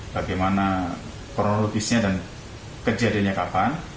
bagaimana kronologisnya dan kejadiannya kapan